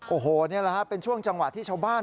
โอ้โหนี่แหละครับเป็นช่วงจังหวะที่ชาวบ้าน